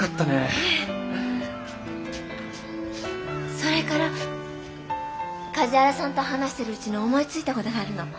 それから梶原さんと話してるうちに思いついた事があるの。